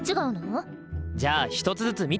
じゃあ１つずつ見ていこう！